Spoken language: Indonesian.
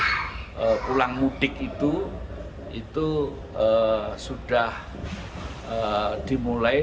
sehingga kesempatan warga masyarakat untuk pulang mudik itu sudah dimulai